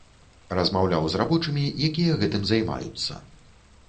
Размаўляў з рабочымі, якія гэтым займаюцца.